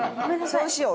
「そうしよう。